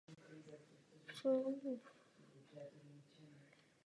Vila je postavena na půdorysu latinského kříže s krátkými rameny.